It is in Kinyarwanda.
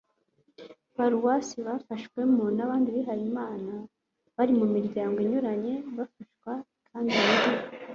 paruwasi bafashwamo n'abandi bihaye imana bari mu miryango inyuranye. bafashwa kandi muri